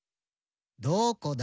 どこだ？